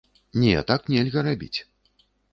Не, так нельга рабіць.